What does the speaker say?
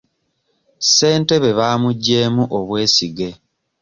Ssentebe baamuggyemu obwesige.